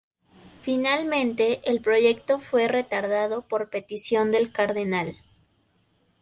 Finalmente, el proyecto fue retardado por petición del cardenal.